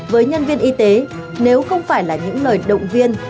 với nhân viên y tế nếu không phải là những lời động viên